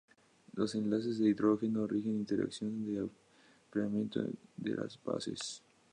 Los enlaces de hidrógeno rigen las interacciones de apareamiento de las bases.